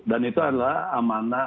dan itu adalah amanah